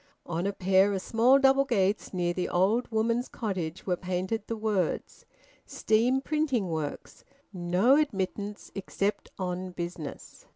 On a pair of small double gates near the old woman's cottage were painted the words, "Steam Printing Works. No admittance except on business."